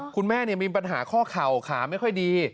คุณแม่มีปัญหาข้อเข่าขาไม่ค่อยดี